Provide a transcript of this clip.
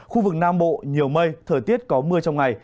khu vực nam bộ nhiều mây thời tiết có mưa trong ngày